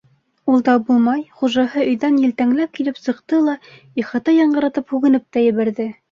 Ул да булмай, хужаһы өйҙән елтәңләп килеп сыҡты ла, ихата яңғыратып һүгенеп тә ебәрҙе.